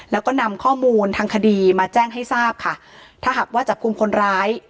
แล้วก็นำข้อมูลทางคดีมาแจ้งให้ทราบค่ะถ้าหากว่าจับกลุ่มคนร้าย